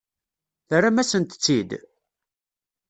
Terram-asent-tt-id?